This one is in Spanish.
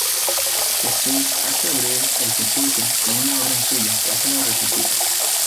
Jesús hace abrir el sepulcro, y a una orden suya, Lázaro resucita.